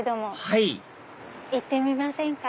はい行ってみませんか？